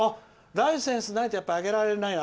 ライセンスないと上げられないんだ。